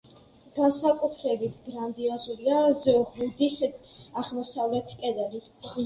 განსაკუთრებით გრანდიოზულია ზღუდის აღმოსავლეთი კედელი.